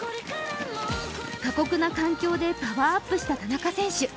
過酷な環境でパワーアップした田中選手。